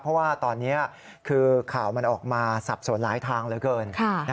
เพราะว่าตอนนี้คือข่าวมันออกมาสับสนหลายทางเหลือเกิน